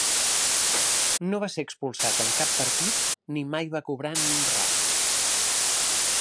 No va ser expulsat en cap partit ni mai va cobrar ni un ral.